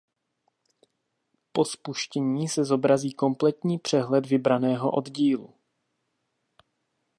Po spuštění se zobrazí kompletní přehled vybraného oddílu.